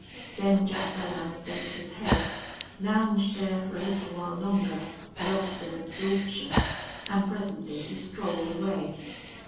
Then Jack Belllounds bent his head, lounged there for a little while longer, lost in absorption, and presently he strolled away.